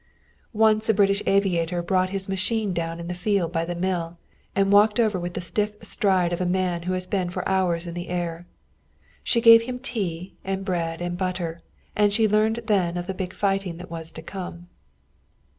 Once a British aviator brought his machine down in the field by the mill, and walked over with the stiff stride of a man who has been for hours in the air. She gave him tea and bread and butter, and she learned then of the big fighting that was to come.